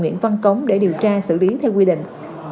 nguyễn văn cống để điều tra xử lý theo quy định